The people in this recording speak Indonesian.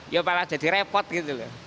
ya malah jadi repot gitu loh